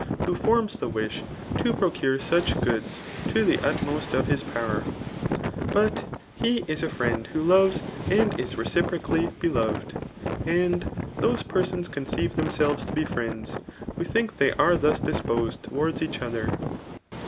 who forms the wish' to psocure soch.good to the iiflpiost of ' his power* But he is a friend who loves,, and ia tficiprwaiXy beloved ; and those petoons conceive them« selves to be friesidsb who thmk they a^e tl^ diBpiosod lewards eatb othen